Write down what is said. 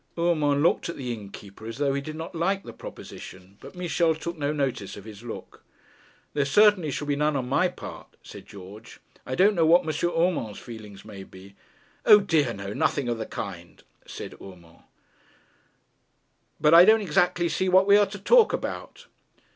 Urmand looked at the innkeeper as though he did not like the proposition, but Michel took no notice of his look. 'There certainly shall be none on my part,' said George. 'I don't know what M. Urmand's feelings may be.' 'O dear, no; nothing of the kind,' said Urmand. 'But I don't exactly see what we are to talk about.'